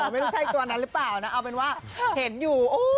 ไม่รู้ใช่ตัวนั้นหรือเปล่านะเอาเป็นว่าเห็นอยู่